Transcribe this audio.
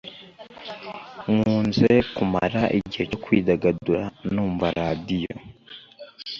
nkunze kumara igihe cyo kwidagadura numva radio